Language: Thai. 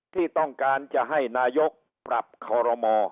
ที่ต้องการจะให้นายกปรับคอรมอ